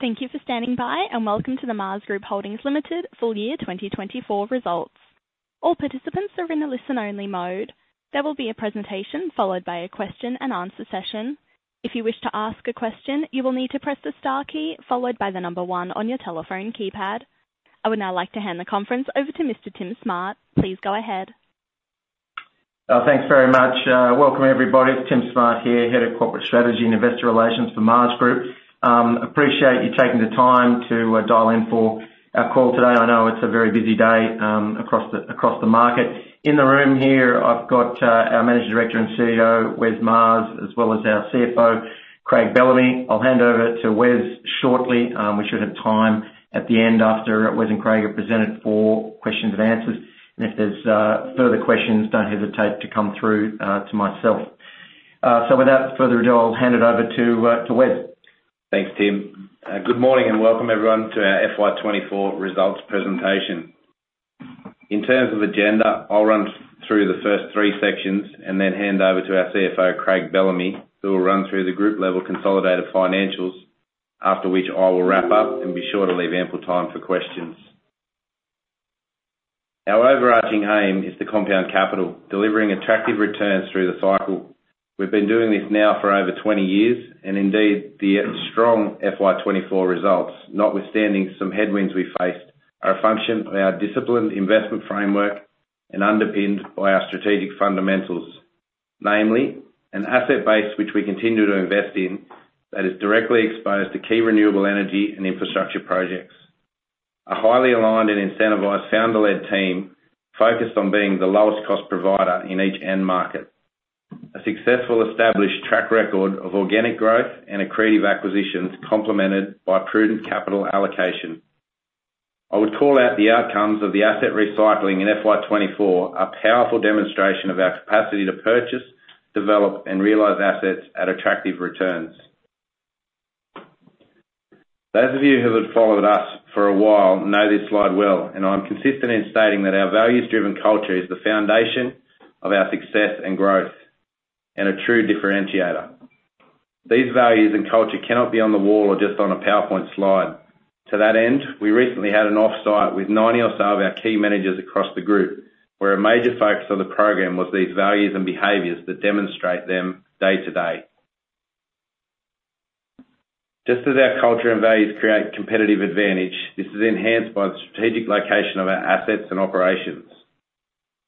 Thank you for standing by, and welcome to the Maas Group Holdings Limited Full Year 2024 Results. All participants are in a listen-only mode. There will be a presentation, followed by a question-and-answer session. If you wish to ask a question, you will need to press the star key, followed by the number one on your telephone keypad. I would now like to hand the conference over to Mr. Tim Smart. Please go ahead. Thanks very much. Welcome, everybody. It's Tim Smart here, Head of Corporate Strategy and Investor Relations for Maas Group. Appreciate you taking the time to dial in for our call today. I know it's a very busy day across the market. In the room here, I've got our Managing Director and CEO, Wes Maas, as well as our CFO, Craig Bellamy. I'll hand over to Wes shortly. We should have time at the end after Wes and Craig have presented for questions and answers, and if there's further questions, don't hesitate to come through to myself. So without further ado, I'll hand it over to Wes. Thanks, Tim. Good morning and welcome everyone to our FY 2024 results presentation. In terms of agenda, I'll run through the first three sections and then hand over to our CFO, Craig Bellamy, who will run through the group-level consolidated financials, after which I will wrap up and be sure to leave ample time for questions. Our overarching aim is to compound capital, delivering attractive returns through the cycle. We've been doing this now for over 20 years, and indeed, the strong FY 2024 results, notwithstanding some headwinds we faced, are a function of our disciplined investment framework and underpinned by our strategic fundamentals. Namely, an asset base which we continue to invest in, that is directly exposed to key renewable energy and infrastructure projects. A highly aligned and incentivized founder-led team focused on being the lowest cost provider in each end market. A successful established track record of organic growth and accretive acquisitions, complemented by prudent capital allocation. I would call out the outcomes of the asset recycling in FY 2024, a powerful demonstration of our capacity to purchase, develop and realize assets at attractive returns. Those of you who have followed us for a while know this slide well, and I'm consistent in stating that our values-driven culture is the foundation of our success and growth, and a true differentiator. These values and culture cannot be on the wall or just on a PowerPoint slide. To that end, we recently had an offsite with ninety or so of our key managers across the group, where a major focus on the program was these values and behaviors that demonstrate them day to day. Just as our culture and values create competitive advantage, this is enhanced by the strategic location of our assets and operations.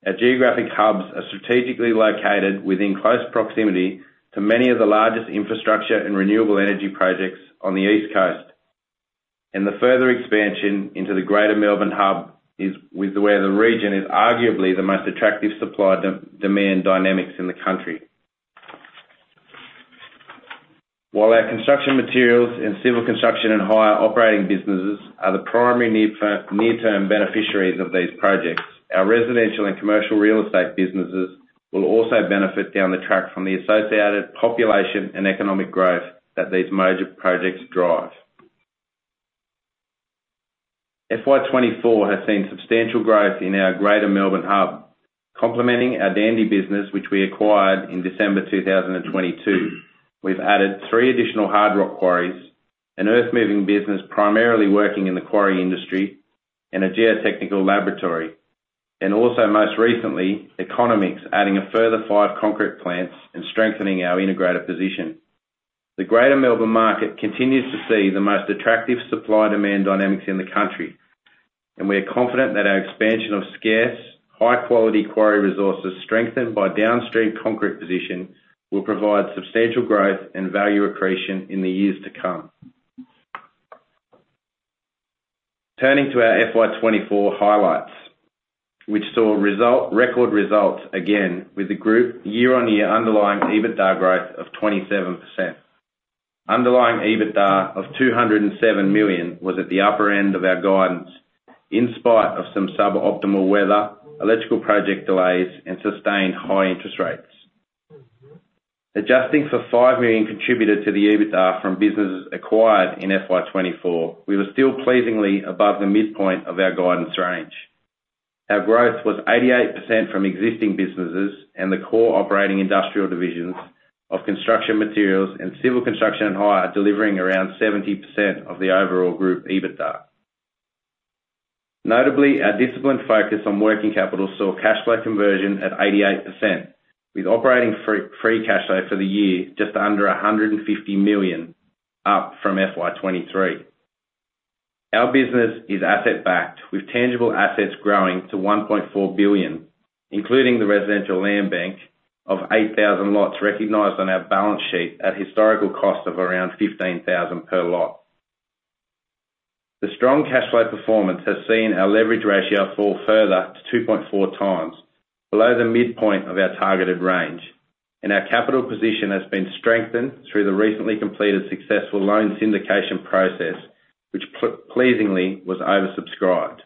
Our geographic hubs are strategically located within close proximity to many of the largest infrastructure and renewable energy projects on the East Coast, and the further expansion into the greater Melbourne hub is with where the region is arguably the most attractive supply-demand dynamics in the country. While our construction materials and civil construction and hire operating businesses are the primary near-term beneficiaries of these projects, our residential and commercial real estate businesses will also benefit down the track from the associated population and economic growth that these major projects drive. FY 2024 has seen substantial growth in our greater Melbourne hub, complementing our Dandy business, which we acquired in December 2022. We've added three additional hard rock quarries, an earthmoving business, primarily working in the quarry industry, and a geotechnical laboratory, and also, most recently, Economix, adding a further five concrete plants and strengthening our integrated position. The greater Melbourne market continues to see the most attractive supply-demand dynamics in the country, and we are confident that our expansion of scarce, high-quality quarry resources, strengthened by downstream concrete position, will provide substantial growth and value accretion in the years to come. Turning to our FY 2024 highlights, which saw record results again with the group year-on-year underlying EBITDA growth of 27%. Underlying EBITDA of 207 million was at the upper end of our guidance, in spite of some sub-optimal weather, electrical project delays, and sustained high interest rates. Adjusting for 5 million contributed to the EBITDA from businesses acquired in FY 2024, we were still pleasingly above the midpoint of our guidance range. Our growth was 88% from existing businesses, and the core operating industrial divisions of construction materials and civil construction and hire, delivering around 70% of the overall group EBITDA. Notably, our disciplined focus on working capital saw cash flow conversion at 88%, with operating free cash flow for the year just under 150 million, up from FY 2023. Our business is asset-backed, with tangible assets growing to 1.4 billion, including the residential land bank of 8,000 lots recognized on our balance sheet at historical cost of around 15,000 per lot. The strong cashflow performance has seen our leverage ratio fall further to 2.4 times, below the midpoint of our targeted range, and our capital position has been strengthened through the recently completed successful loan syndication process, which pleasingly was oversubscribed.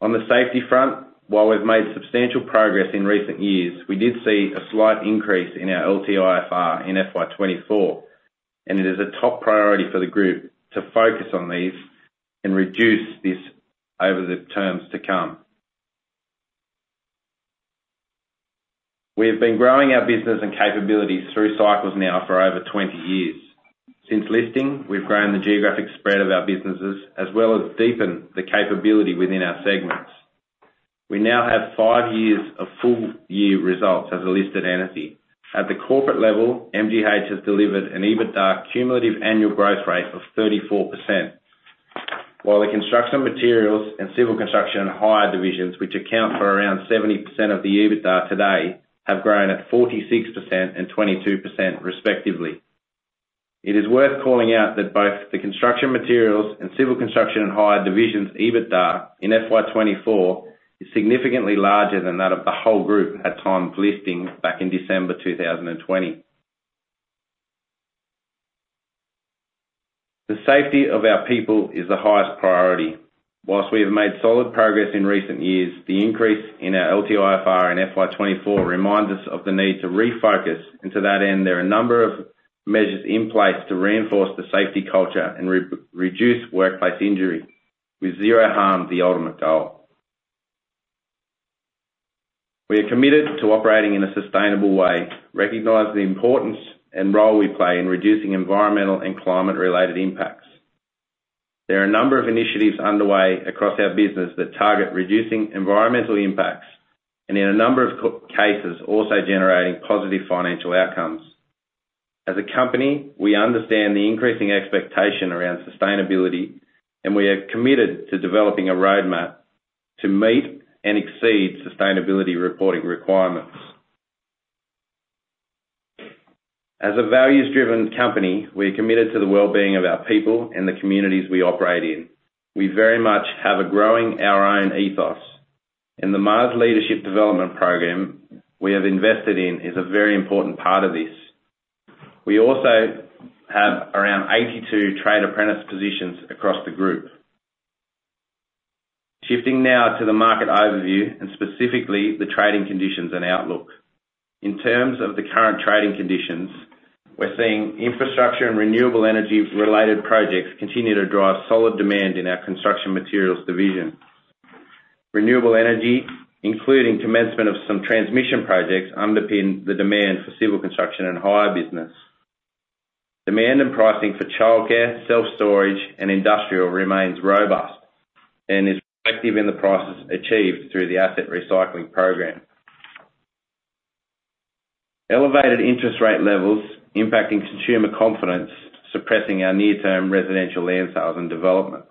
On the safety front, while we've made substantial progress in recent years, we did see a slight increase in our LTIFR in FY 2024, and it is a top priority for the group to focus on these and reduce this over the terms to come. We have been growing our business and capabilities through cycles now for over 20 years. Since listing, we've grown the geographic spread of our businesses, as well as deepened the capability within our segments. We now have five years of full year results as a listed entity. At the corporate level, MGH has delivered an EBITDA cumulative annual growth rate of 34%, while the construction materials and civil construction and hire divisions, which account for around 70% of the EBITDA today, have grown at 46% and 22% respectively. It is worth calling out that both the construction materials and civil construction and hire divisions' EBITDA in FY 2024 is significantly larger than that of the whole group at time of listing back in December 2020. The safety of our people is the highest priority. While we have made solid progress in recent years, the increase in our LTIFR in FY 2024 reminds us of the need to refocus, and to that end, there are a number of measures in place to reinforce the safety culture and reduce workplace injury, with zero harm the ultimate goal. We are committed to operating in a sustainable way, recognize the importance and role we play in reducing environmental and climate-related impacts. There are a number of initiatives underway across our business that target reducing environmental impacts, and in a number of cases, also generating positive financial outcomes. As a company, we understand the increasing expectation around sustainability, and we are committed to developing a roadmap to meet and exceed sustainability reporting requirements. As a values-driven company, we are committed to the wellbeing of our people and the communities we operate in. We very much have a growing our own ethos, and the Maas Leadership Development Program we have invested in is a very important part of this. We also have around 82 trade apprentice positions across the group. Shifting now to the market overview and specifically the trading conditions and outlook. In terms of the current trading conditions, we're seeing infrastructure and renewable energy-related projects continue to drive solid demand in our construction materials division. Renewable energy, including commencement of some transmission projects, underpin the demand for civil construction and hire business. Demand and pricing for childcare, self-storage, and industrial remains robust and is reflective in the prices achieved through the asset recycling program. Elevated interest rate levels impacting consumer confidence, suppressing our near-term residential land sales and development.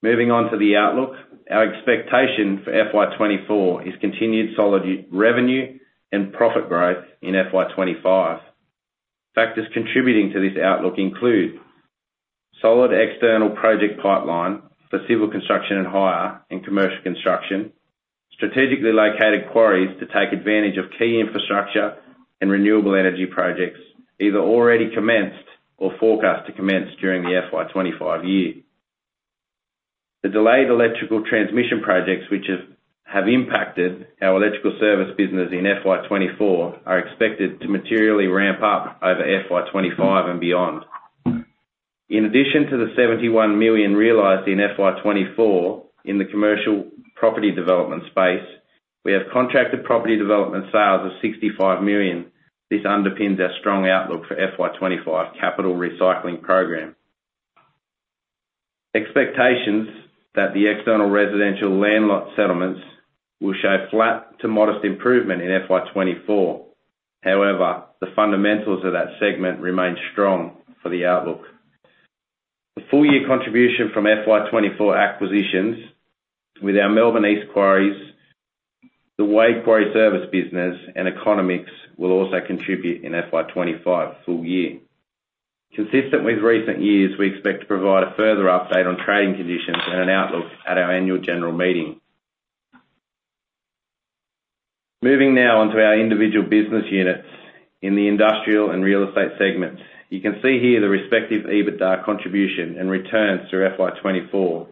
Moving on to the outlook. Our expectation for FY 2024 is continued solid revenue and profit growth in FY 2025. Factors contributing to this outlook include: solid external project pipeline for civil construction and hire, and commercial construction, strategically located quarries to take advantage of key infrastructure and renewable energy projects, either already commenced or forecast to commence during the FY 2025 year. The delayed electrical transmission projects, which have impacted our electrical service business in FY 2024, are expected to materially ramp up over FY 2025 and beyond. In addition to the 71 million realized in FY 2024 in the commercial property development space, we have contracted property development sales of 65 million. This underpins our strong outlook for FY 2025 capital recycling program. Expectations that the external residential land lot settlements will show flat to modest improvement in FY 2024. However, the fundamentals of that segment remain strong for the outlook. The full year contribution from FY 2024 acquisitions with our Melbourne East Quarries, the Wade Quarry service business and Economix will also contribute in FY 2025 full year. Consistent with recent years, we expect to provide a further update on trading conditions and an outlook at our annual general meeting. Moving now on to our individual business units in the industrial and real estate segment. You can see here the respective EBITDA contribution and returns through FY 2024,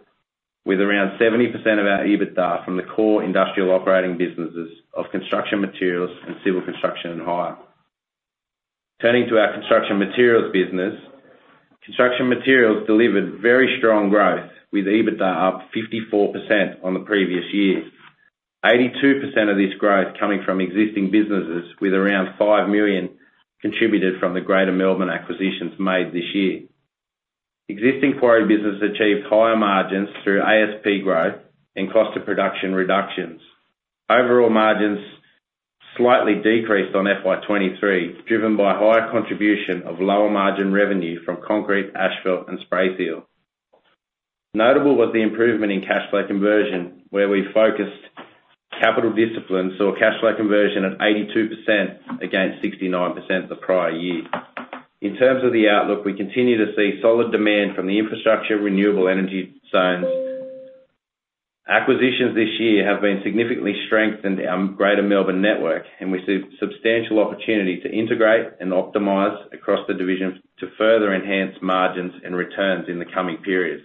with around 70% of our EBITDA from the core industrial operating businesses of construction materials and civil construction and hire. Turning to our construction materials business. Construction materials delivered very strong growth, with EBITDA up 54% on the previous year. 82% of this growth coming from existing businesses, with around 5 million contributed from the Greater Melbourne acquisitions made this year. Existing quarry business achieved higher margins through ASP growth and cost of production reductions. Overall margins slightly decreased on FY 2023, driven by higher contribution of lower margin revenue from concrete, asphalt, and spray seal. Notable was the improvement in cash flow conversion, where we focused capital discipline, saw cash flow conversion at 82%, against 69% the prior year. In terms of the outlook, we continue to see solid demand from the infrastructure Renewable Energy Zones. Acquisitions this year have been significantly strengthened our Greater Melbourne network, and we see substantial opportunity to integrate and optimize across the division to further enhance margins and returns in the coming periods.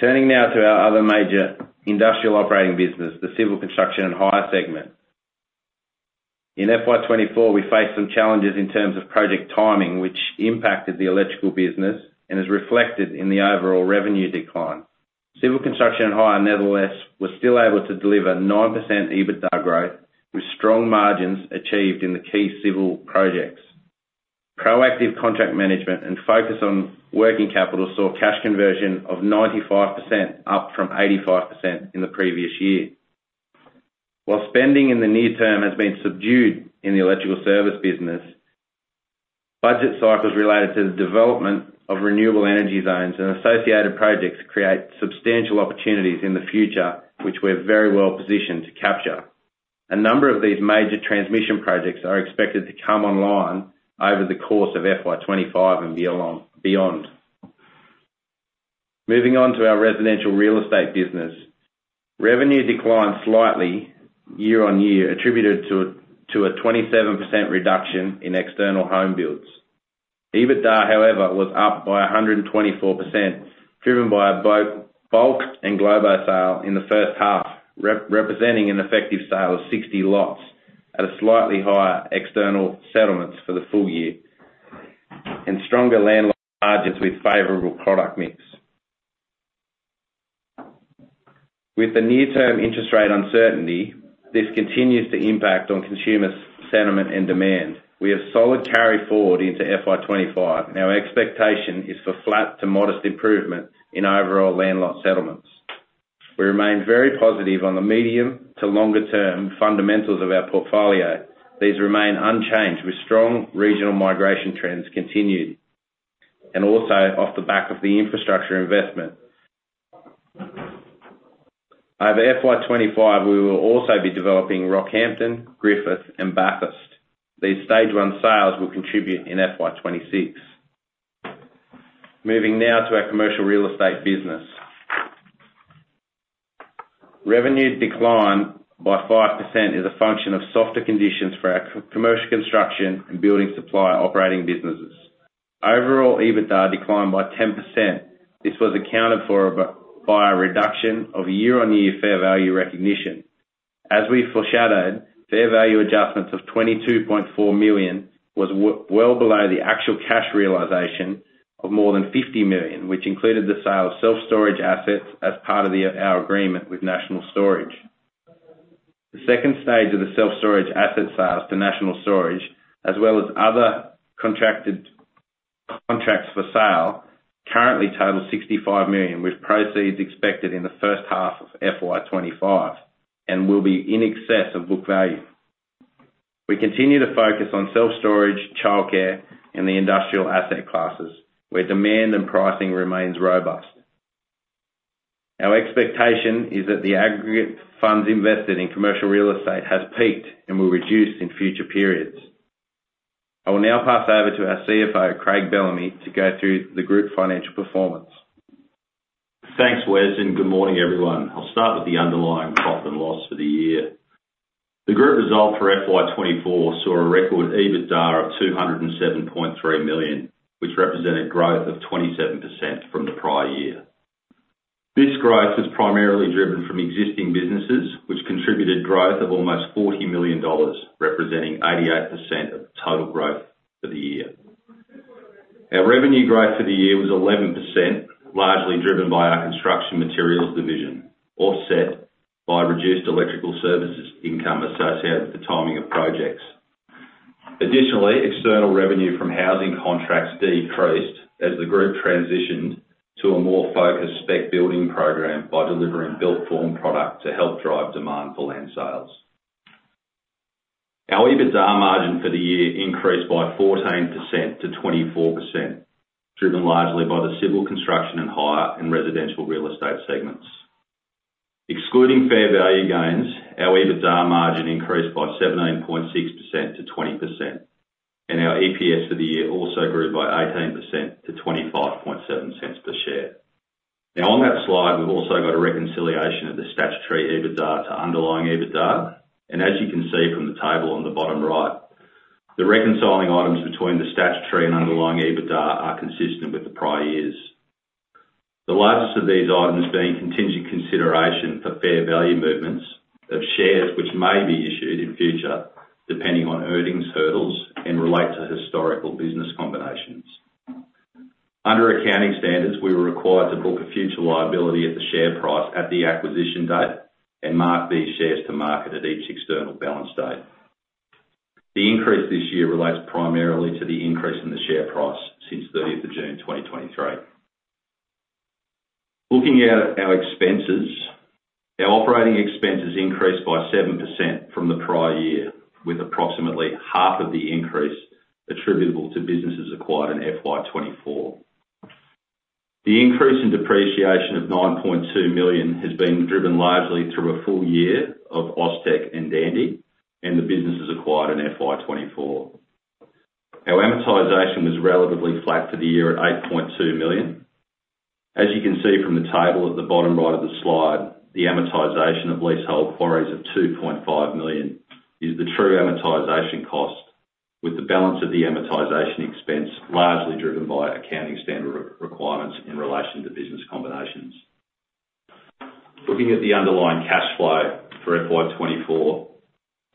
Turning now to our other major industrial operating business, the civil construction and hire segment. In FY 2024, we faced some challenges in terms of project timing, which impacted the electrical business and is reflected in the overall revenue decline. Civil Construction and Hire, nevertheless, was still able to deliver 9% EBITDA growth, with strong margins achieved in the key civil projects. Proactive contract management and focus on working capital saw cash conversion of 95%, up from 85% in the previous year. While spending in the near term has been subdued in the electrical service business, budget cycles related to the development of Renewable Energy Zones and associated projects create substantial opportunities in the future, which we're very well positioned to capture. A number of these major transmission projects are expected to come online over the course of FY 2025 and beyond. Moving on to our residential real estate business. Revenue declined slightly year-on-year, attributed to a 27% reduction in external home builds. EBITDA, however, was up by 124%, driven by a bulk and englobo sale in the first half, representing an effective sale of 60 lots at a slightly higher external settlements for the full year, and stronger land margins with favorable product mix. With the near-term interest rate uncertainty, this continues to impact on consumer sentiment and demand. We have solid carry forward into FY 2025, and our expectation is for flat to modest improvement in overall land lot settlements. We remain very positive on the medium to longer term fundamentals of our portfolio. These remain unchanged, with strong regional migration trends continuing, and also off the back of the infrastructure investment. Over FY 2025, we will also be developing Rockhampton, Griffith and Bathurst. These stage one sales will contribute in FY 2026. Moving now to our commercial real estate business. Revenue declined by 5% as a function of softer conditions for our commercial construction and building supply operating businesses. Overall, EBITDA declined by 10%. This was accounted for by a reduction of year-on-year fair value recognition. As we foreshadowed, fair value adjustments of 22.4 million was well below the actual cash realization of more than 50 million, which included the sale of self-storage assets as part of our agreement with National Storage. The second stage of the self-storage asset sales to National Storage, as well as other contracts for sale, currently total 65 million, with proceeds expected in the first half of FY 2025 and will be in excess of book value. We continue to focus on self-storage, childcare, and the industrial asset classes, where demand and pricing remains robust. Our expectation is that the aggregate funds invested in commercial real estate has peaked and will reduce in future periods. I will now pass over to our CFO, Craig Bellamy, to go through the group financial performance. Thanks, Wes, and good morning, everyone. I'll start with the underlying profit and loss for the year. The group result for FY 2024 saw a record EBITDA of 207.3 million, which represented growth of 27% from the prior year. This growth is primarily driven from existing businesses, which contributed growth of almost 40 million dollars, representing 88% of the total growth for the year. Our revenue growth for the year was 11%, largely driven by our construction materials division, offset by reduced electrical services income associated with the timing of projects. Additionally, external revenue from housing contracts decreased as the group transitioned to a more focused spec building program by delivering built-form product to help drive demand for land sales. Our EBITDA margin for the year increased by 14% to 24%, driven largely by the civil construction and hire and residential real estate segments. Excluding fair value gains, our EBITDA margin increased by 17.6% to 20%, and our EPS for the year also grew by 18% to 0.257 per share. Now, on that slide, we've also got a reconciliation of the statutory EBITDA to underlying EBITDA, and as you can see from the table on the bottom right, the reconciling items between the statutory and underlying EBITDA are consistent with the prior years. The largest of these items being contingent consideration for fair value movements of shares, which may be issued in future, depending on earnings hurdles and relate to historical business combinations. Under accounting standards, we were required to book a future liability at the share price at the acquisition date and mark these shares to market at each external balance date. The increase this year relates primarily to the increase in the share price since thirtieth of June 2023. Looking at our expenses, our operating expenses increased by 7% from the prior year, with approximately half of the increase attributable to businesses acquired in FY 2024. The increase in depreciation of 9.2 million has been driven largely through a full year of Austek and Dandy, and the businesses acquired in FY 2024. Our amortization was relatively flat for the year at 8.2 million. As you can see from the table at the bottom right of the slide, the amortization of leasehold quarries of 2.5 million is the true amortization cost, with the balance of the amortization expense largely driven by accounting standard requirements in relation to business combinations. Looking at the underlying cash flow for FY 2024,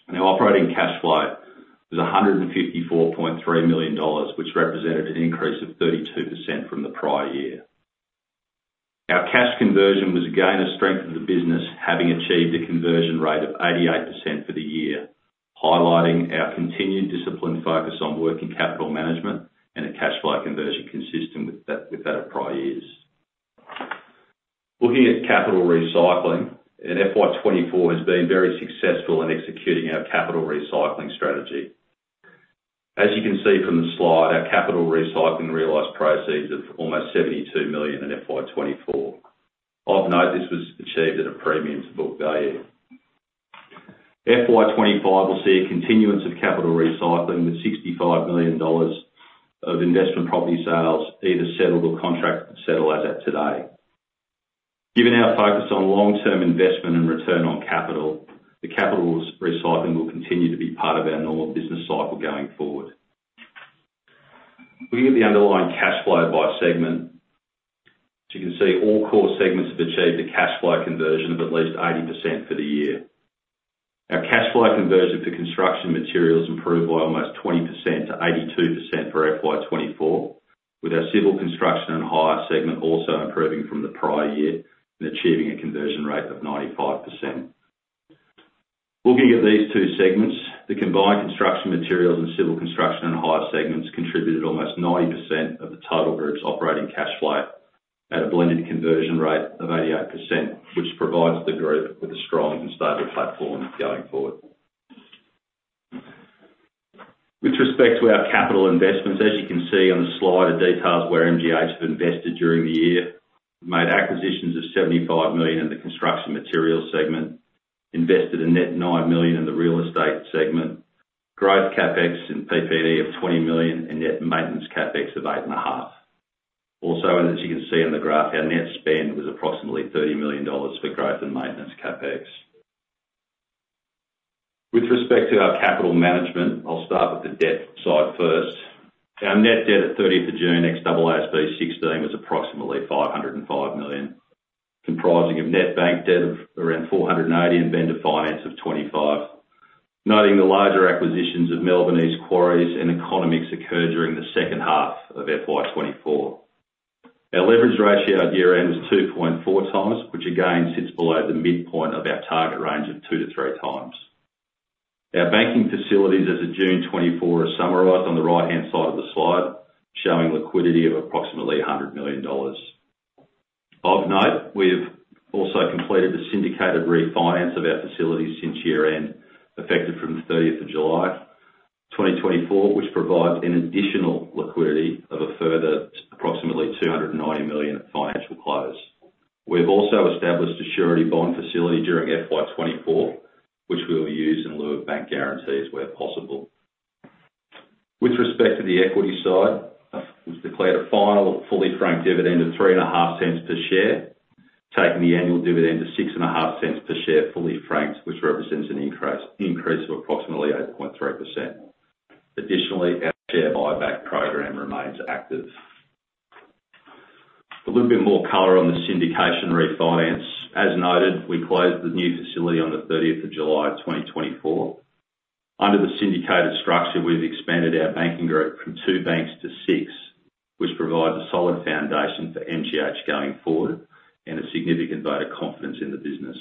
and our operating cash flow was 154.3 million dollars, which represented an increase of 32% from the prior year. Our cash conversion was, again, a strength of the business, having achieved a conversion rate of 88% for the year, highlighting our continued disciplined focus on working capital management and a cash flow conversion consistent with that, with that of prior years. Looking at capital recycling, and FY 2024 has been very successful in executing our capital recycling strategy. As you can see from the slide, our capital recycling realized proceeds of almost 72 million in FY 2024. Of note, this was achieved at a premium to book value. FY 2025 will see a continuance of capital recycling, with 65 million dollars of investment property sales either settled or contracted to settle as at today. Given our focus on long-term investment and return on capital, the capital recycling will continue to be part of our normal business cycle going forward. Looking at the underlying cash flow by segment, as you can see, all core segments have achieved a cash flow conversion of at least 80% for the year. Our cash flow conversion for construction materials improved by almost 20% to 82% for FY 2024, with our civil construction and hire segment also improving from the prior year and achieving a conversion rate of 95%. Looking at these two segments, the combined construction materials and civil construction and hire segments contributed almost 90% of the total group's operating cash flow at a blended conversion rate of 88%, which provides the group with a strong and stable platform going forward. With respect to our capital investments, as you can see on the slide, the details where MGH have invested during the year, made acquisitions of 75 million in the construction materials segment, invested a net 9 million in the real estate segment, Growth CapEx and PP&E of 20 million, and net maintenance CapEx of 8.5 million. Also, as you can see on the graph, our net spend was approximately 30 million dollars for growth and maintenance CapEx. With respect to our capital management, I'll start with the debt side first. Our net debt at thirtieth of June, AASB 16, was approximately 505 million, comprising net bank debt of around 480 million and vendor finance of 25 million. Noting the larger acquisitions of Melbourne East Quarries and Economix occurred during the second half of FY 2024. Our leverage ratio at year-end was 2.4 times, which again sits below the midpoint of our target range of 2-3 times. Our banking facilities as of June 2024 are summarized on the right-hand side of the slide, showing liquidity of approximately 100 million dollars. Of note, we've also completed the syndicated refinance of our facilities since year-end, effective from the thirtieth of July 2024, which provides an additional liquidity of a further approximately 290 million at financial close. We've also established a surety bond facility during FY 2024, which we'll use in lieu of bank guarantees where possible. With respect to the equity side, we've declared a final fully franked dividend of 3.5 cents per share, taking the annual dividend to 6.5 cents per share, fully franked, which represents an increase of approximately 8.3%. Additionally, our share buyback program remains active. A little bit more color on the syndication refinance. As noted, we closed the new facility on the thirtieth of July 2024. Under the syndicated structure, we've expanded our banking group from two banks to six, which provides a solid foundation for MGH going forward and a significant vote of confidence in the business.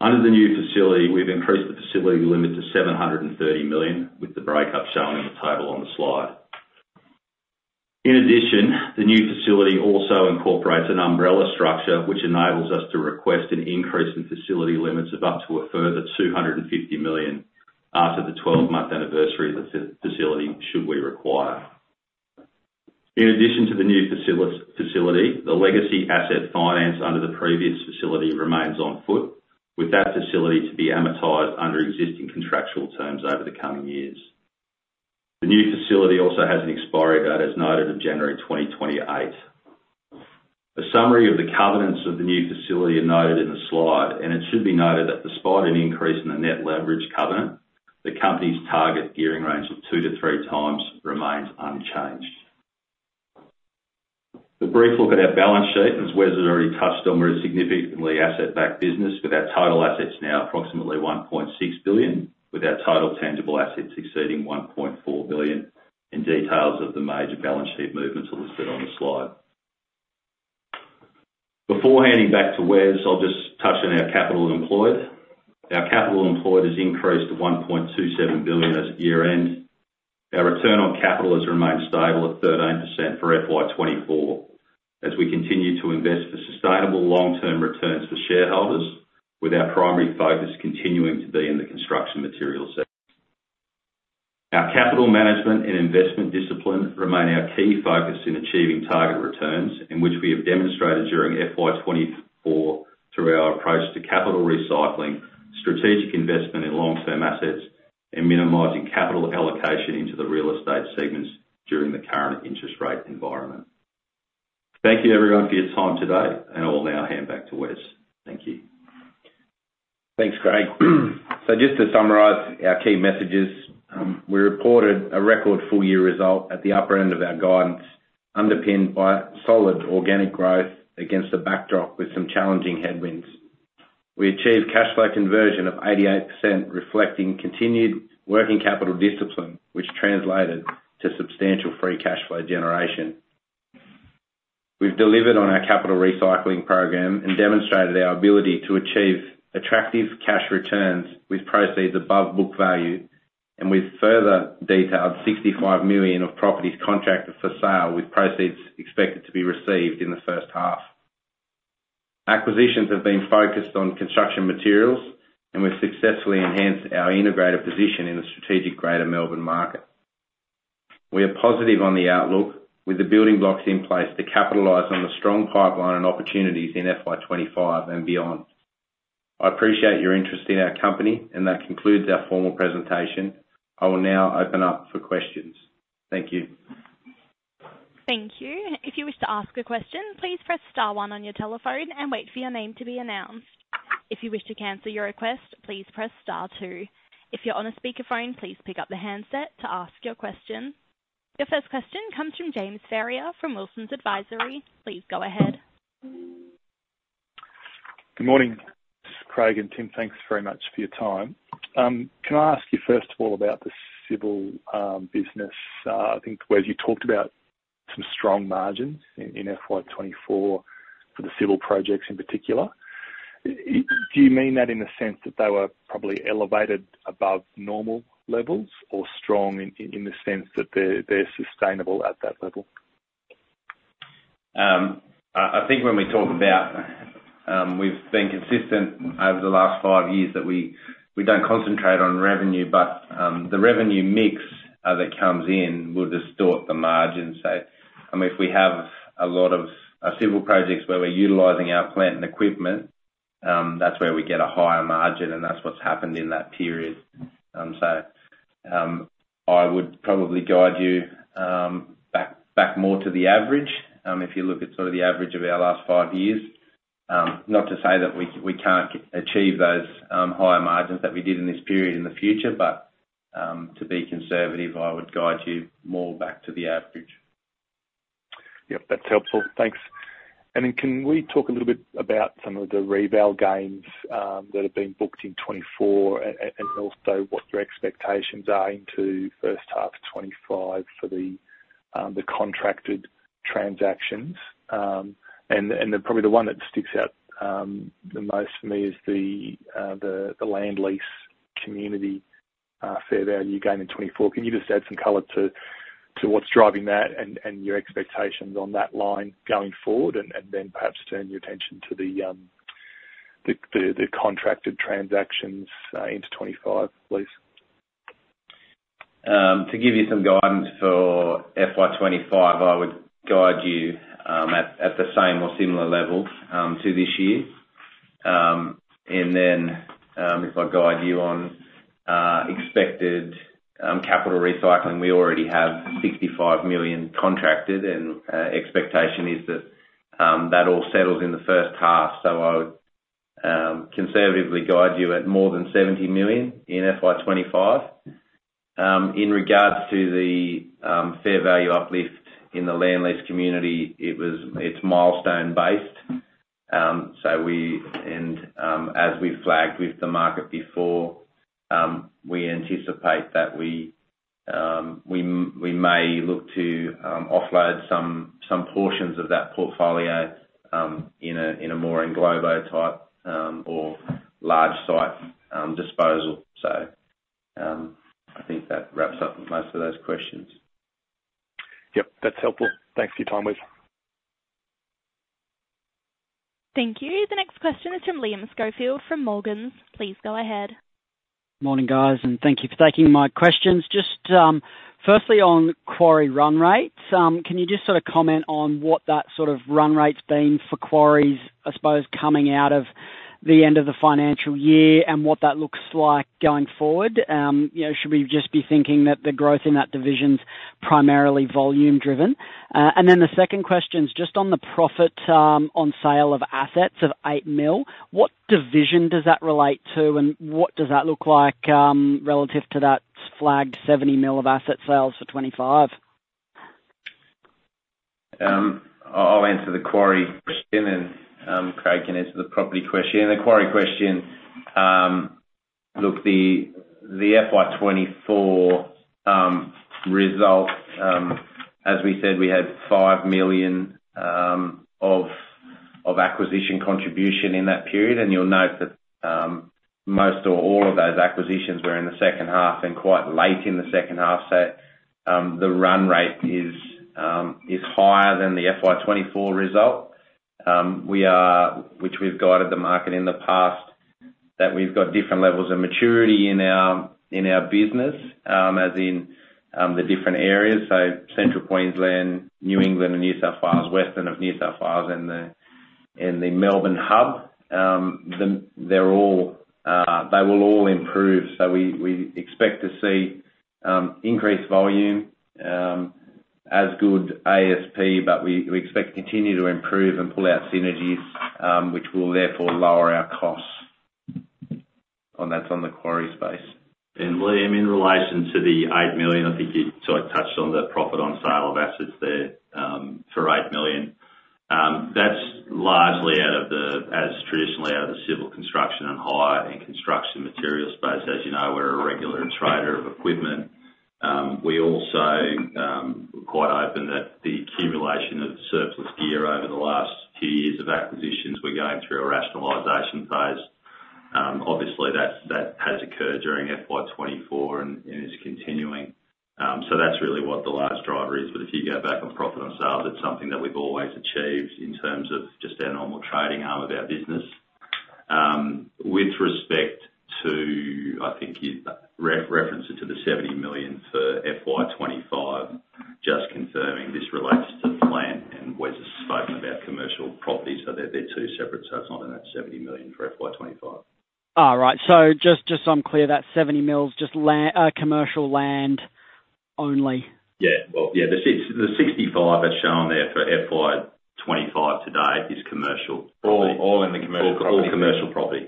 Under the new facility, we've increased the facility limit to 730 million, with the breakup shown in the table on the slide. In addition, the new facility also incorporates an umbrella structure, which enables us to request an increase in facility limits of up to a further 250 million after the twelve-month anniversary of the facility, should we require. In addition to the new facility, the legacy asset finance under the previous facility remains on foot, with that facility to be amortized under existing contractual terms over the coming years. The new facility also has an expiry date, as noted, of January 2028. A summary of the covenants of the new facility are noted in the slide, and it should be noted that despite an increase in the net leverage covenant, the company's target gearing range of two to three times remains unchanged. A brief look at our balance sheet, and as Wes has already touched on, we're a significantly asset-backed business, with our total assets now approximately 1.6 billion, with our total tangible assets exceeding 1.4 billion, and details of the major balance sheet movements are listed on the slide. Before handing back to Wes, I'll just touch on our capital employed. Our capital employed has increased to 1.27 billion as at year-end. Our return on capital has remained stable at 13% for FY 2024, as we continue to invest for sustainable long-term returns for shareholders, with our primary focus continuing to be in the construction materials sector. Our capital management and investment discipline remain our key focus in achieving target returns, in which we have demonstrated during FY 2024 through our approach to capital recycling, strategic investment in long-term assets, and minimizing capital allocation into the real estate segments during the current interest rate environment. Thank you, everyone, for your time today, and I'll now hand back to Wes. Thank you.... Thanks, Craig. So just to summarize our key messages, we reported a record full year result at the upper end of our guidance, underpinned by solid organic growth against a backdrop with some challenging headwinds. We achieved cash flow conversion of 88%, reflecting continued working capital discipline, which translated to substantial free cash flow generation. We've delivered on our capital recycling program and demonstrated our ability to achieve attractive cash returns with proceeds above book value, and we've further detailed 65 million of properties contracted for sale, with proceeds expected to be received in the first half. Acquisitions have been focused on construction materials, and we've successfully enhanced our integrated position in the strategic Greater Melbourne market. We are positive on the outlook, with the building blocks in place to capitalize on the strong pipeline and opportunities in FY 2025 and beyond. I appreciate your interest in our company, and that concludes our formal presentation. I will now open up for questions. Thank you. Thank you. If you wish to ask a question, please press star one on your telephone and wait for your name to be announced. If you wish to cancel your request, please press star two. If you're on a speakerphone, please pick up the handset to ask your question. Your first question comes from James Ferrier from Wilsons Advisory. Please go ahead. Good morning, Craig and Tim, thanks very much for your time. Can I ask you first of all about the civil business? I think where you talked about some strong margins in FY 2024 for the civil projects in particular. Do you mean that in the sense that they were probably elevated above normal levels or strong in the sense that they're sustainable at that level? I think when we talk about, we've been consistent over the last five years that we don't concentrate on revenue, but the revenue mix that comes in will distort the margins. So, I mean, if we have a lot of civil projects where we're utilizing our plant and equipment, that's where we get a higher margin, and that's what's happened in that period. So, I would probably guide you back more to the average, if you look at sort of the average of our last five years, not to say that we can't achieve those higher margins that we did in this period in the future, but to be conservative, I would guide you more back to the average. Yep, that's helpful. Thanks. And then can we talk a little bit about some of the reval gains that have been booked in 2024, and also what your expectations are into first half 2025 for the contracted transactions? And then probably the one that sticks out the most for me is the land lease community fair value gain in 2024. Can you just add some color to what's driving that and your expectations on that line going forward, and then perhaps turn your attention to the contracted transactions into 2025, please? To give you some guidance for FY 2025, I would guide you at the same or similar level to this year, and then if I guide you on expected capital recycling, we already have 65 million contracted, and expectation is that that all settles in the first half. So I would conservatively guide you at more than 70 million in FY 2025. In regards to the fair value uplift in the land lease community, it's milestone based, and as we flagged with the market before, we anticipate that we may look to offload some portions of that portfolio in a more Englobo type or large site disposal. So I think that wraps up most of those questions. Yep, that's helpful. Thanks for your time, Wes. Thank you. The next question is from Liam Schofield, from Morgans. Please go ahead. Morning, guys, and thank you for taking my questions. Just firstly on quarry run rates, can you just sort of comment on what that sort of run rate's been for quarries, I suppose, coming out of the end of the financial year, and what that looks like going forward? You know, should we just be thinking that the growth in that division's primarily volume driven? And then the second question is just on the profit on sale of assets of 8 million, what division does that relate to, and what does that look like relative to that flagged 70 million of asset sales for 2025? I'll answer the quarry question and Craig can answer the property question. The quarry question, look, the FY 2024 result, as we said, we had 5 million of acquisition contribution in that period, and you'll note that most or all of those acquisitions were in the second half and quite late in the second half, so the run rate is higher than the FY 2024 result. We've guided the market in the past that we've got different levels of maturity in our business as in the different areas, so Central Queensland, New England and New South Wales, western of New South Wales, and the Melbourne hub. They're all, they will all improve, so we expect to see increased volume. as good ASP, but we expect to continue to improve and pull out synergies, which will therefore lower our costs. Oh, that's on the quarry space. And Liam, in relation to the 8 million, I think you sort of touched on the profit on sale of assets there, for 8 million. That's largely out of the, as traditionally, out of the civil construction and hire, and construction materials space. As you know, we're a regular trader of equipment. We also quite open that the accumulation of surplus gear over the last two years of acquisitions, we're going through a rationalization phase. Obviously, that has occurred during FY 2024 and is continuing. So that's really what the large driver is. But if you go back on profit on sales, it's something that we've always achieved in terms of just our normal trading arm of our business. With respect to, I think you referenced it to the 70 million for FY 2025, just confirming this relates to land, and we've just spoken about commercial property, so they're two separate, so it's not in that 70 million for FY 2025. All right. So just, just so I'm clear, that 70 million is just land, commercial land only? Yeah. Well, yeah, the sixty-five that's shown there for FY 2025 to date is commercial. All in the commercial property. All in commercial property.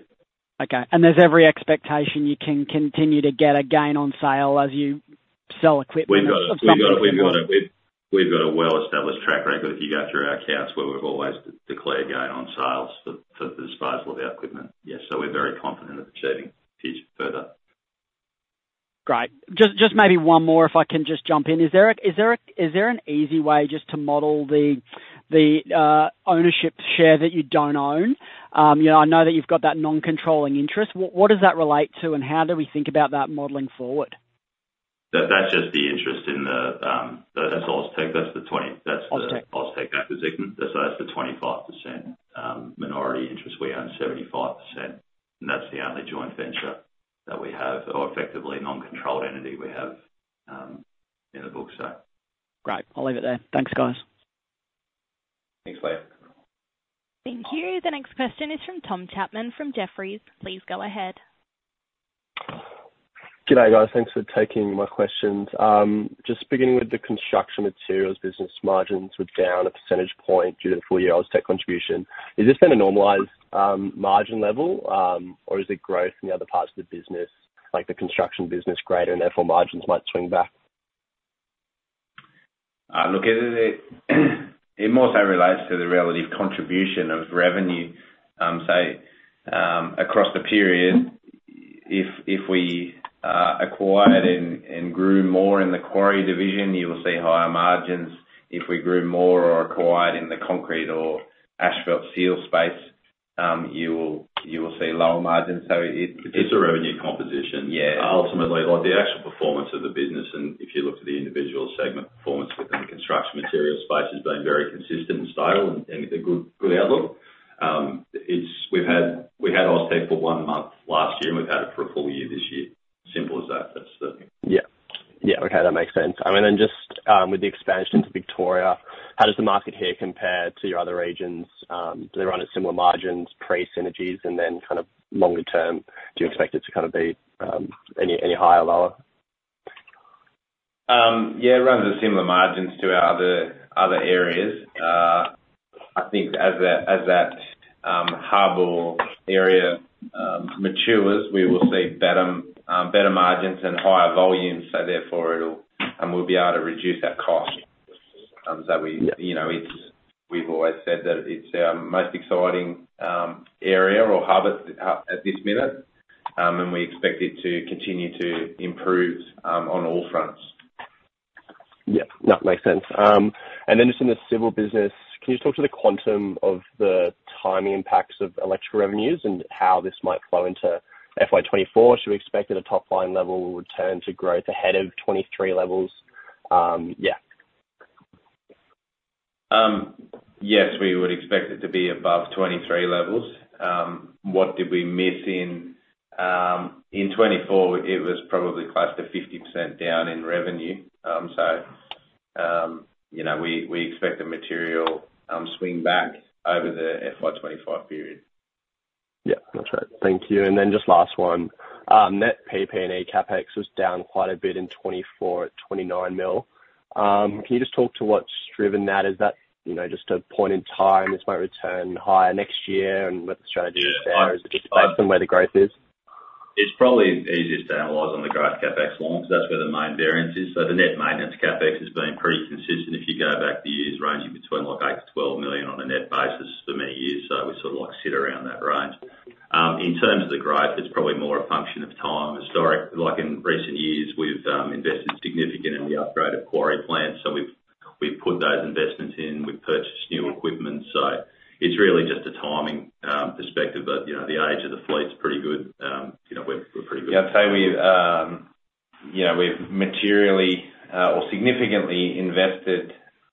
Okay, and there's every expectation you can continue to get a gain on sale as you sell equipment? We've got a well-established track record, if you go through our accounts, where we've always declared gain on sales for the disposal of our equipment. Yes, so we're very confident of achieving this further. Great. Just maybe one more, if I can just jump in. Is there an easy way just to model the ownership share that you don't own? You know, I know that you've got that non-controlling interest. What does that relate to, and how do we think about that modeling forward? That's just the interest in the, that's Austek, that's the 20. That's the. Austek... Austek acquisition. So that's the 25% minority interest. We own 75%, and that's the only joint venture that we have, or effectively non-controlled entity we have, in the books, so. Great. I'll leave it there. Thanks, guys. Thanks, Liam. Thank you. The next question is from Tom Chapman from Jefferies. Please go ahead. G'day, guys. Thanks for taking my questions. Just beginning with the construction materials business, margins were down a percentage point due to the full-year Austek contribution. Is this gonna normalize, margin level, or is it growth in the other parts of the business, like the construction business, greater and therefore margins might swing back? Look, it more so relates to the relative contribution of revenue. Say, across the period, if we acquired and grew more in the quarry division, you will see higher margins. If we grew more or acquired in the concrete or asphalt seal space, you will see lower margins. So it- It's a revenue composition. Yeah. Ultimately, like, the actual performance of the business, and if you look to the individual segment performance within the construction material space, has been very consistent and stable and, and a good, good outlook. We've had, we had Austek for one month last year, and we've had it for a full year this year. Simple as that. That's the... Yeah. Yeah, okay, that makes sense. I mean, then just, with the expansion to Victoria, how does the market here compare to your other regions? Do they run at similar margins, pre-synergies, and then kind of longer term, do you expect it to kind of be, any higher or lower? Yeah, it runs at similar margins to our other areas. I think as that hub area matures, we will see better margins and higher volumes, so therefore we'll be able to reduce our costs. So we- Yeah... you know, we've always said that it's our most exciting area or harbor at this minute, and we expect it to continue to improve on all fronts. Yeah. No, makes sense. And then just in the civil business, can you talk to the quantum of the timing impacts of electric revenues and how this might flow into FY 2024? Should we expect that the top-line level will return to growth ahead of 23 levels? Yeah. Yes, we would expect it to be above 23 levels. What did we miss in 2024? It was probably close to 50% down in revenue. So, you know, we expect a material swing back over the FY 2025 period. Yeah, that's right. Thank you. And then just last one: Net PP&E CapEx was down quite a bit in 2024 at 29 million. Can you just talk to what's driven that? Is that, you know, just a point in time, this might return higher next year, and what the strategy is there, is it just based on where the growth is? It's probably easiest to analyze on the growth CapEx alone, because that's where the main variance is. So the net maintenance CapEx has been pretty consistent. If you go back the years, ranging between, like, 8-12 million on a net basis for many years, so we sort of like sit around that range. In terms of the growth, it's probably more a function of time. Historically, like, in recent years, we've invested significantly in the upgraded quarry plants, so we've put those investments in, we've purchased new equipment. So it's really just a timing perspective, but, you know, the age of the fleet's pretty good. You know, we're pretty good. Yeah, I'd say we've, you know, we've materially or significantly invested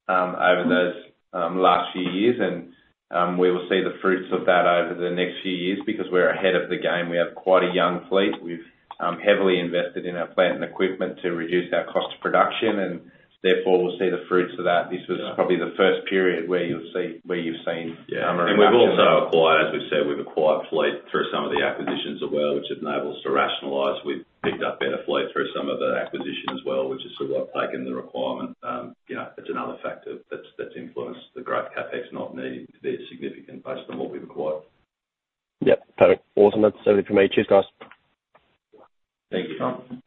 over those last few years, and we will see the fruits of that over the next few years because we're ahead of the game. We have quite a young fleet. We've heavily invested in our plant and equipment to reduce our cost of production, and therefore, we'll see the fruits of that. This was probably the first period where you'll see, where you've seen. Yeah, and we've also acquired, as we've said, we've acquired fleet through some of the acquisitions as well, which enables us to rationalize. We've picked up better fleet through some of the acquisitions as well, which is sort of like taking the requirement. Yeah, that's another factor that's influenced the growth CapEx not needing to be significant based on what we've acquired. Yep. Perfect. Awesome. That's everything for me. Cheers, guys. Thank you, Tom.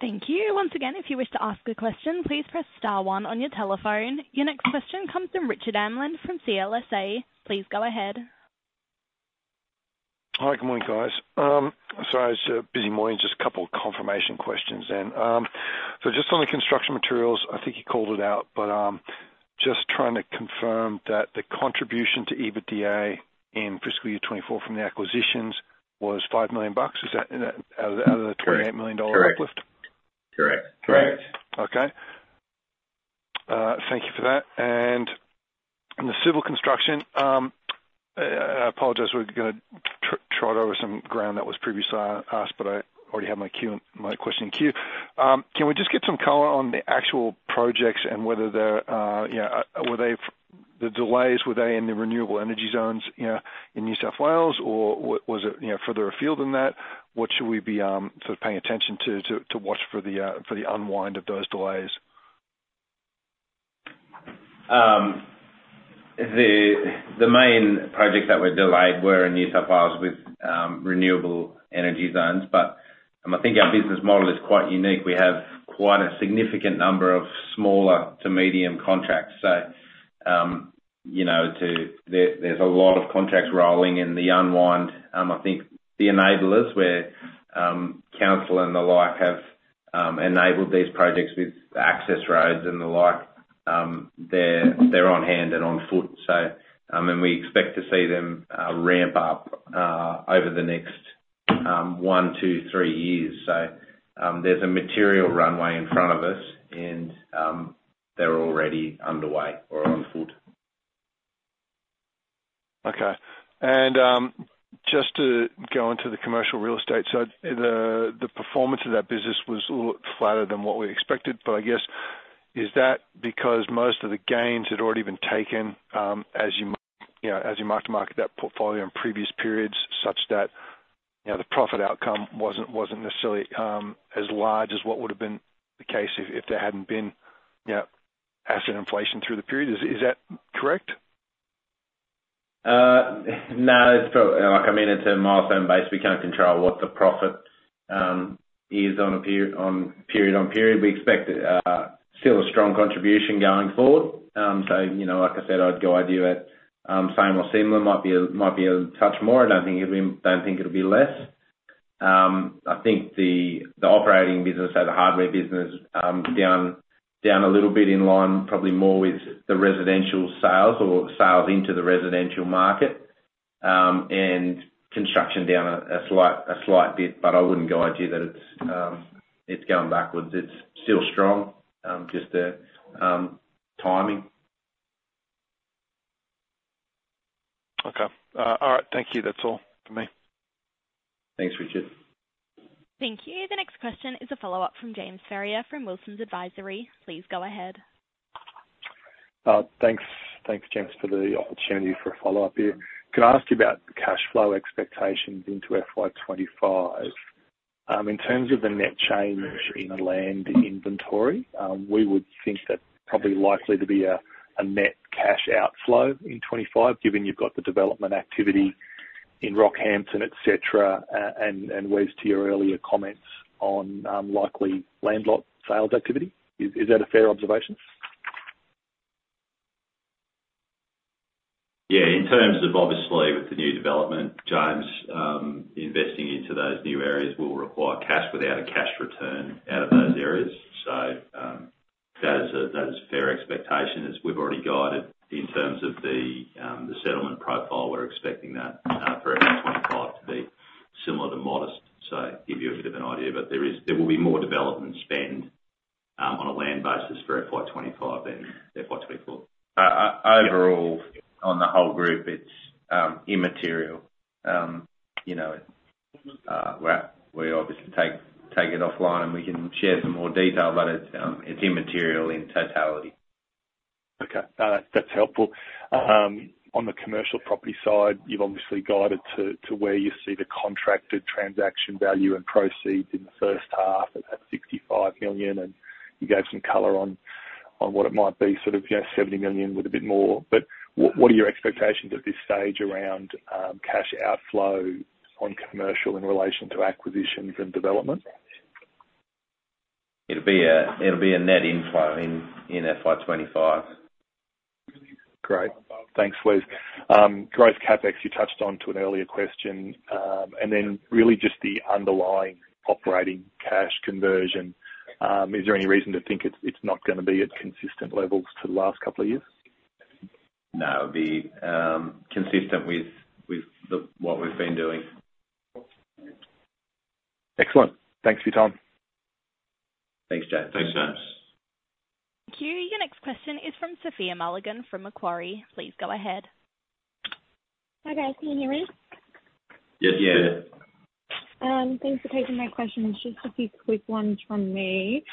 Thank you. Once again, if you wish to ask a question, please press star one on your telephone. Your next question comes from Richard Amland from CLSA. Please go ahead. Hi, good morning, guys. Sorry, it's a busy morning. Just a couple of confirmation questions then. So just on the construction materials, I think you called it out, but just trying to confirm that the contribution to EBITDA in fiscal year 2024 from the acquisitions was 5 million bucks. Is that in or out of the 28 million dollar uplift? Correct. Correct. Correct. Okay. Thank you for that. And in the civil construction, I apologize, we're gonna trod over some ground that was previously asked, but I already have my queue, my question in queue. Can we just get some color on the actual projects and whether they're, you know, the delays, were they in the renewable energy zones, you know, in New South Wales or was it, you know, further afield than that? What should we be sort of paying attention to watch for the unwind of those delays? The main projects that were delayed were in New South Wales with renewable energy zones. But I think our business model is quite unique. We have quite a significant number of smaller to medium contracts. So you know, there's a lot of contracts rolling in the pipeline. I think the enablers were council and the like have enabled these projects with access roads and the like. They're on hand and afoot. So and we expect to see them ramp up over the next one to three years. So there's a material runway in front of us, and they're already underway or afoot. Okay. And, just to go into the commercial real estate. So the performance of that business was a little flatter than what we expected. But I guess, is that because most of the gains had already been taken, as you know, as you market to market that portfolio in previous periods, such that, you know, the profit outcome wasn't necessarily as large as what would have been the case if there hadn't been, you know, asset inflation through the period? Is that correct? No, like, I mean, it's a milestone base. We can't control what the profit is on a period, on period on period. We expect still a strong contribution going forward. So, you know, like I said, I'd guide you at same or similar. Might be a touch more. I don't think it'll be less. I think the operating business or the hardware business down a little bit in line, probably more with the residential sales or sales into the residential market, and construction down a slight bit, but I wouldn't guide you that it's going backwards. It's still strong, just the timing. Okay. All right, thank you. That's all for me. Thanks, Richard. Thank you. The next question is a follow-up from James Ferrier from Wilsons Advisory. Please go ahead. Thanks. Thanks, James, for the opportunity for a follow-up here. Can I ask you about cash flow expectations into FY 2025? In terms of the net change in the land inventory, we would think that's probably likely to be a net cash outflow in 2025, given you've got the development activity in Rockhampton, et cetera, and Wes, to your earlier comments on likely land lot sales activity. Is that a fair observation? Yeah, in terms of obviously with the new development, James, investing into those new areas will require cash without a cash return out of those areas. So, that is a fair expectation, as we've already guided in terms of the settlement profile. We're expecting that for FY 2025 to be similar to modest. So give you a bit of an idea, but there will be more development spend on a land basis for FY 2025 than FY 2024. Overall, on the whole group, it's immaterial. You know, we obviously take it offline, and we can share some more detail, but it's immaterial in totality. Okay. That's helpful. On the commercial property side, you've obviously guided to where you see the contracted transaction value and proceeds in the first half of that 65 million, and you gave some color on what it might be, sort of, you know, 70 million with a bit more. But what are your expectations at this stage around cash outflow on commercial in relation to acquisitions and development? It'll be a net inflow in FY 2025. Great. Thanks, Wes. Growth CapEx, you touched on to an earlier question, and then really just the underlying operating cash conversion. Is there any reason to think it's not gonna be at consistent levels to the last couple of years? No, it'll be consistent with what we've been doing. Excellent. Thanks for your time. Thanks, James. Thanks, James. Thank you. Your next question is from Sophia Mulligan, from Macquarie. Please go ahead. Hi, guys. Can you hear me? Yes, we can. Thanks for taking my questions. Just a few quick ones from me.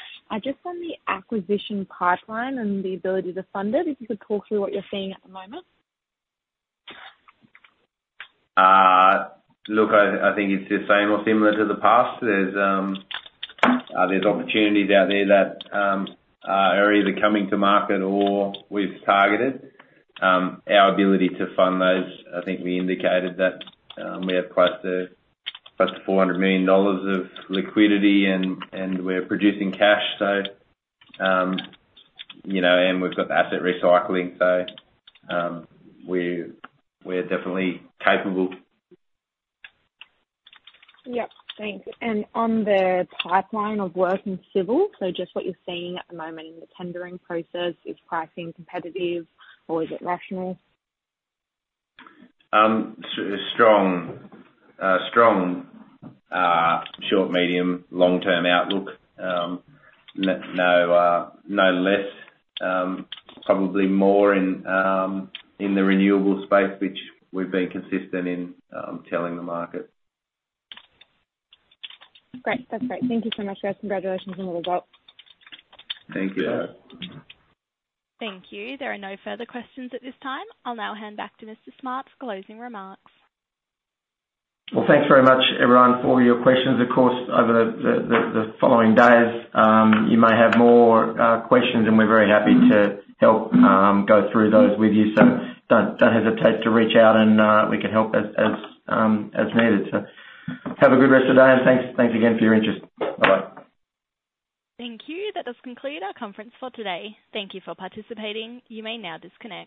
Just on the acquisition pipeline and the ability to fund it, if you could talk through what you're seeing at the moment? Look, I think it's the same or similar to the past. There's opportunities out there that are either coming to market or we've targeted. Our ability to fund those, I think we indicated that we have close to 400 million dollars of liquidity and we're producing cash. So, you know, and we've got the asset recycling, so, we're definitely capable. Yep. Thanks, and on the pipeline of work in civil, so just what you're seeing at the moment in the tendering process, is pricing competitive or is it rational? Strong short, medium, long-term outlook. No less, probably more in the renewable space, which we've been consistent in telling the market. Great. That's great. Thank you so much, guys. Congratulations on the result. Thank you. Thank you. There are no further questions at this time. I'll now hand back to Mr. Smart for closing remarks. Well, thanks very much, everyone, for your questions. Of course, over the following days, you may have more questions, and we're very happy to help go through those with you. So don't hesitate to reach out, and we can help as needed. So have a good rest of the day, and thanks, thanks again for your interest. Bye-bye. Thank you. That does conclude our conference for today. Thank you for participating. You may now disconnect.